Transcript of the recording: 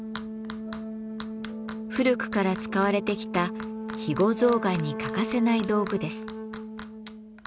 古くから使われてきた肥後象がんに欠かせない道具です。